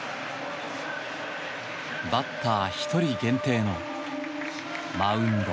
バッター１人限定のマウンド。